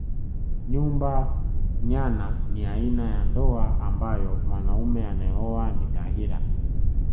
Nyumba nyana ni aina ya ndoa ambayo mwanaume anayeoa ni tahira